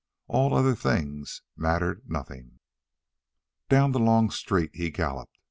All other things mattered nothing. Down the long street he galloped.